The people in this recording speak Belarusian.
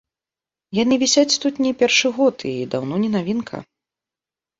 Яны вісяць тут не першы год і даўно не навінка.